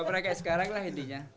ya pernah kayak sekarang lah intinya